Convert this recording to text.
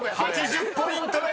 ８０ポイントです！］